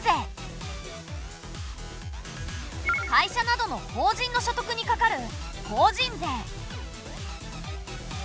会社などの法人の所得にかかる法人税。